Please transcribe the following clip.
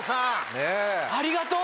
ありがとう！